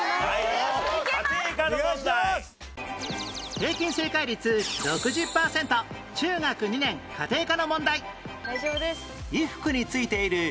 平均正解率６０パーセント中学２年家庭科の問題